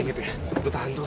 ini gitu ya lo tahan aja